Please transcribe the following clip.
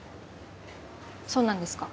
そうなんですか。